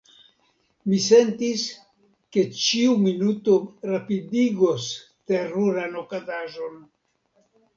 Mi sentis, ke ĉiu minuto rapidigos teruran okazaĵon.